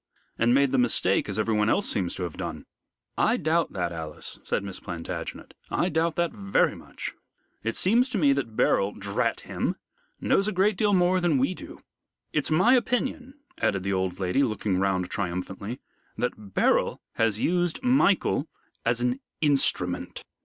And made the mistake, as everyone else seems to have done." "I doubt that, Alice," said Miss Plantagenet, "I doubt that very much. It seems to me that Beryl drat him! knows a great deal more than we do. It's my opinion," added the old lady, looking round triumphantly, "that Beryl has used Michael as an instrument."